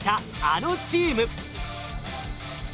あのチーム。